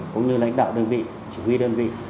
cũng như lãnh đạo đơn vị chỉ huy đơn vị